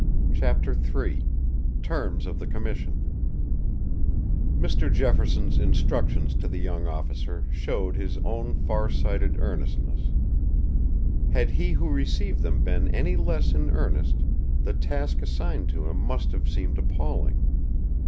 CHAPTER III TERMS OF THE COMMISSION Mr. Jefferson's instructions to the young officer showed his own farsighted earnestness. Had he who received them been any less in earnest, the task assigned to him must have seemed appalling.